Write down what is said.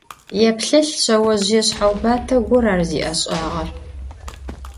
Еплъэлъ, шъэожъые шъхьэубатэ гор ар зиӏэшӏагъэр.